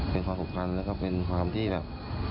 เป็นความสุขกันแล้วก็เป็นความที่แบบ